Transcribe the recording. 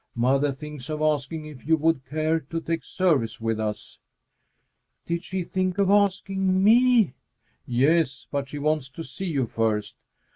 Mother thinks of asking if you would care to take service with us." "Did she think of asking me?" "Yes; but she wants to see you first."